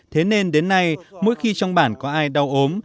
thế nên đến nay mỗi khi trong bản có ai đau ốm